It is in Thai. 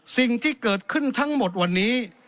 สิ่งที่เกิดขึ้นทั้งหมดวันนี้